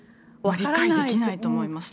理解できないと思いますね。